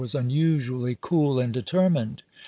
was unusually cool and determined.